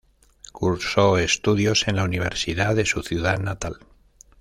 Cursó estudios en la Universidad de su ciudad natal.